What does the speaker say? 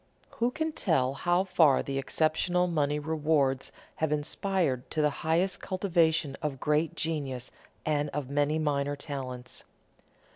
Who can tell how far the exceptional money rewards have inspired to the highest cultivation of great genius and of many minor talents?